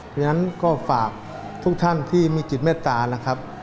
ดังนั้นก็ฝากทุกท่านที่มีจิตแม่ตานะครับ